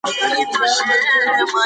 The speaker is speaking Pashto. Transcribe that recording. سمه ژباړه د پوهې د خپرېدو لاره ده.